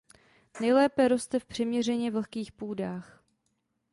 Nejlépe roste v přiměřeně vlhkých půdách.